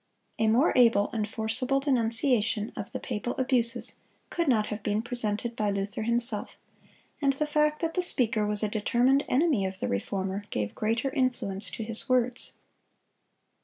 (203) A more able and forcible denunciation of the papal abuses could not have been presented by Luther himself; and the fact that the speaker was a determined enemy of the Reformer, gave greater influence to his words.